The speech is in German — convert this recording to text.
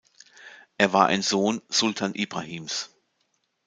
Er war ein Sohn Sultan İbrahims.